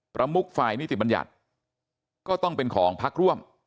ประมุกฝ่ายนิติบัญญัติก็ต้องเป็นของพักร่วม